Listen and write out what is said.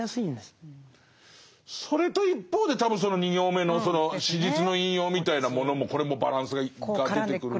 それと一方で多分その２行目の「史実の引用」みたいなものもこれもバランスが出てくるのかな。